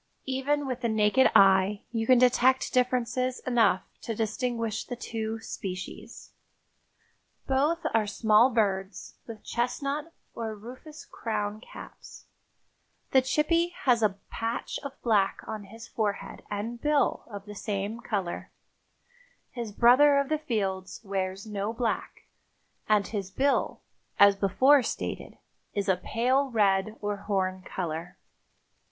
Even with the naked eye you can detect differences enough to distinguish the two species. Both are small birds with chestnut or rufous crown caps; the chippy has a patch of black on his forehead and bill of the same color; his brother of the fields wears no black, and his bill, as before stated, is a pale red or horn color.